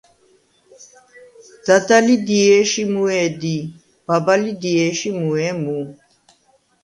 დადა ლი დიე̄შ ი მუუ̂ე̄ დი, ბაბა ლი დიე̄შ ი მუუ̂ე̄ მუ.